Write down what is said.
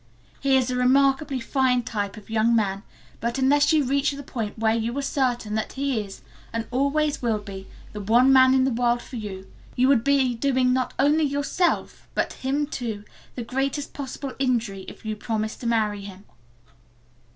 "He is a remarkably fine type of young man, but unless you reach the point where you are certain that he is, and always will be, the one man in the world for you, you would be doing not only yourself but him too, the greatest possible injury if you promised to marry him."